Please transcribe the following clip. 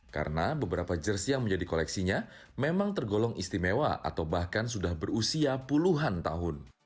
karena beberapa jersi yang menjadi koleksinya memang tergolong istimewa atau bahkan sudah berusia puluhan tahun